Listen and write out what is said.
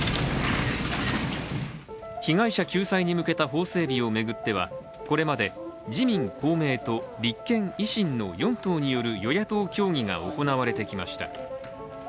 被害者救済に向けた法整備を巡ってはこれまで自民・公明と立憲、維新の４党による与野党協議が行われてきました。